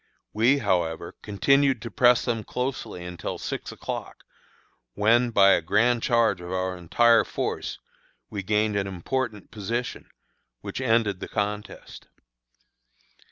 We, however, continued to press them closely until six o'clock, when, by a grand charge of our entire force, we gained an important position, which ended the contest.